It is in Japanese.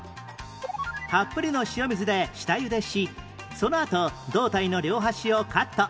たっぷりの塩水で下ゆでしそのあと胴体の両端をカット